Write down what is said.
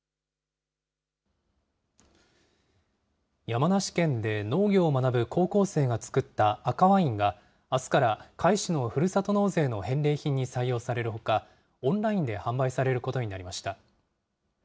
山梨県で農業を学ぶ高校生が造った赤ワインが、あすから甲斐市のふるさと納税の返礼品に採用されるほか、オンラインで販売されることになりました。